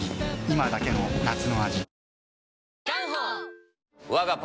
今だけの夏の味